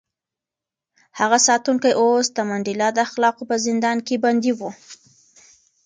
هغه ساتونکی اوس د منډېلا د اخلاقو په زندان کې بندي و.